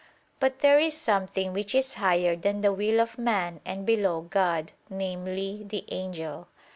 But there is something which is higher than the will of man and below God, namely, the angel.